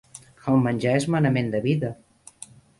El menjar és manament de vida